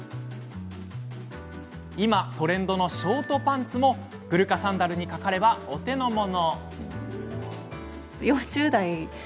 今トレンドのショートパンツもグルカサンダルにかかればお手の物。